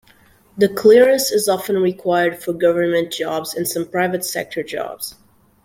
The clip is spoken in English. The clearance is often required for government jobs and some private-sector jobs.